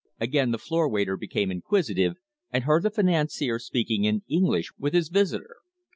Again the floor waiter became inquisitive, and heard the financier speaking in English with his visitor.